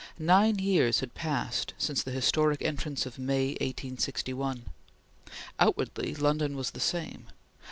Nine years had passed since the historic entrance of May, 1861. Outwardly London was the same.